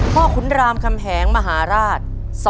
๑พ่อคุณรามภรรรดิมหาลาศ